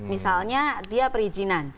misalnya dia perizinan